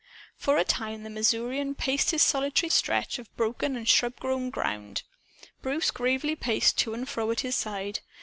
For a time, as the Missourian paced his solitary stretch of broken and shrub grown ground, Bruce gravely paced to and fro at his side.